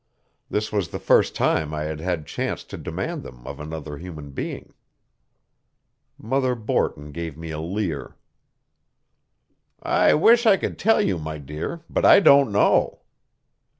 This was the first time I had had chance to demand them of another human being. Mother Borton gave me a leer. "I wish I could tell you, my dear, but I don't know."